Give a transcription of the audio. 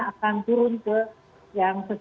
akan turun ke yang